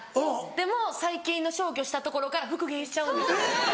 でも最近の消去したところから復元しちゃうんです。